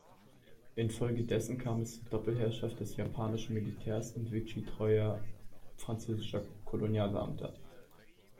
Infolgedessen kam es zur Doppelherrschaft des japanischen Militärs und vichy-treuer französischer Kolonialbeamter.